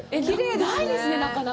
ないですね、なかなか。